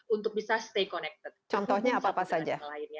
untuk bisa stay connected contohnya apa apa saja